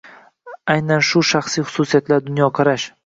Aynan shu shaxsiy xususiyatlar, dunyoqarash